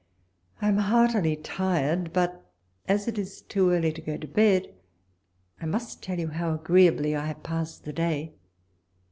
I AM heartily tired ; but, as it is too early to go to bed, I must tell you how agreeably I have passed the day.